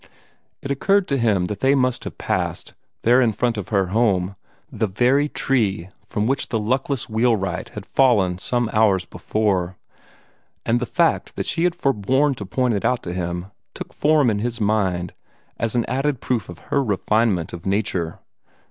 It occurred to him that they must have passed, there in front of her home, the very tree from which the luckless wheelwright had fallen some hours before; and the fact that she had forborne to point it out to him took form in his mind as an added proof of her refinement of nature.